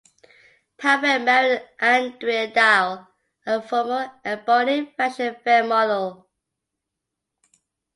Powell married Andrea Dial, a former "Ebony" fashion fair model.